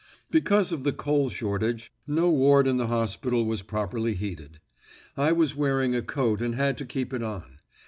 Because of the coal shortage, no ward in the hospital was properly heated. I was wearing a coat and had to keep it on.